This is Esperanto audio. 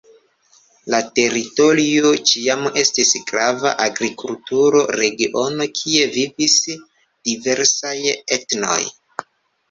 La teritorio ĉiam estis grava agrikultura regiono, kie vivis diversaj etnoj.